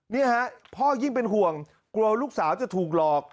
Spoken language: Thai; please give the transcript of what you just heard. นี่ฮะพ่อยิ่งเป็นห่วงกลัวลูกสาวจะถูกหลอก